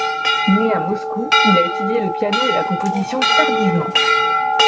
Né à Moscou, il a étudié le piano et la composition tardivement.